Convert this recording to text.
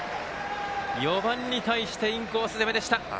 ４番に対してインコース攻めでした。